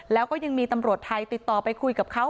แล้วก็ยังมีตำรวจไทยติดต่อไปคุยกับเขา